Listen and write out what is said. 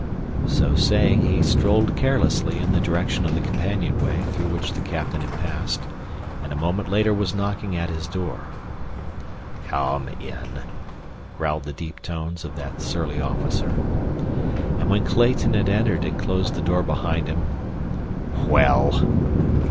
So saying he strolled carelessly in the direction of the companionway through which the captain had passed, and a moment later was knocking at his door. "Come in," growled the deep tones of that surly officer. And when Clayton had entered, and closed the door behind him: "Well?"